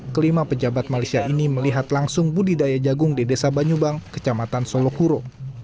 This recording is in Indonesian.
kelima pejabat malaysia ini melihat langsung budidaya jagung di desa banyubang kecamatan solokuro